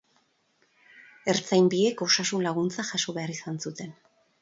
Ertzain biek osasun-laguntza jaso behar izan zuten.